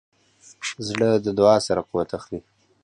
زړه د دعا سره قوت اخلي.